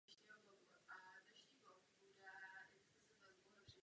Uvedeným přístupem tedy těmto lidem v konečném důsledku nijak nepomůžeme.